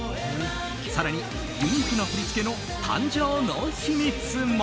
更にユニークな振り付けの誕生の秘密も。